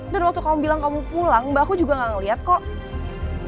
dan waktu kamu bilang kamu pulang mbak aku juga gak ngeliat kok